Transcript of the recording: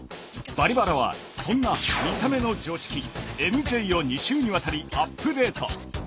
「バリバラ」はそんな見た目の常識ＭＪを２週にわたりアップデート！